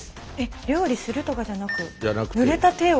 料理するとかじゃなくぬれた手を？